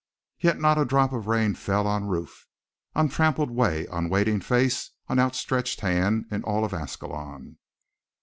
Yet not a drop of rain fell on roof, on trampled way, on waiting face, on outstretched hand, in all of Ascalon.